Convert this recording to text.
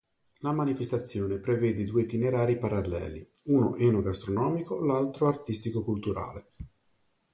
La manifestazione prevede due itinerari paralleli, uno enogastronomico l'altro artistico-culturale.